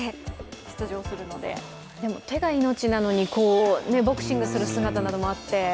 手が命なのに、ボクシングする姿などもあって。